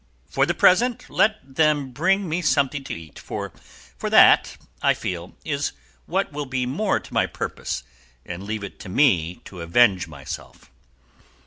For the present let them bring me something to eat, for that, I feel, is what will be more to my purpose, and leave it to me to avenge myself."